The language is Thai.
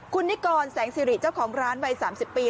คุณนิกรแสงสิริเจ้าของร้านวัย๓๐ปี